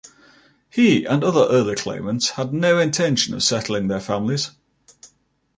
He and other early claimants had no intention of settling their families.